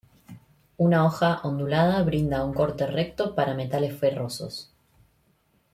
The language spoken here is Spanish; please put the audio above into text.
Una hoja ondulada, brinda un corte recto, para metales ferrosos.